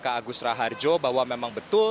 ke agus raharjo bahwa memang betul